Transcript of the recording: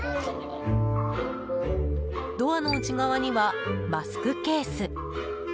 ドアの内側には、マスクケース。